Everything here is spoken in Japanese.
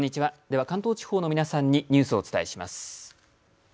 では関東地方の皆さんにニュースをお伝えします。